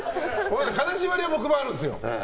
金縛りは僕もありますよ。